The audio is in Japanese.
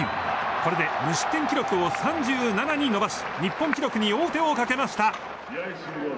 これで無失点記録を３７に伸ばし日本記録に王手をかけました。